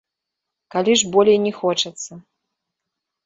Калі ж болей не хочацца.